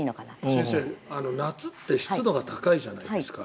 先生、夏って湿度が高いじゃないですか。